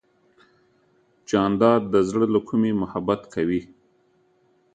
جانداد د زړه له کومې محبت کوي.